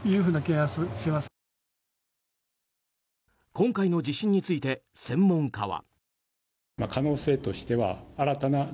今回の地震について専門家は。